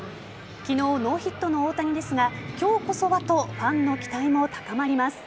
昨日、ノーヒットの大谷ですが今日こそはとファンの期待も高まります。